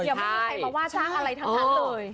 ยังไม่มีใครมาว่าจ้างอะไรทั้งนั้นเลย